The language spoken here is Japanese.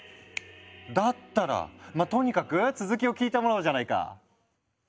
だったらまぁとにかく続きを聞いてもらおうじゃないか。